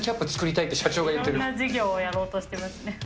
いろんな事業をやろうとしてますね。